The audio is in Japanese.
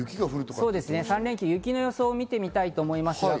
３連休、雪の予想を見てみたいと思います。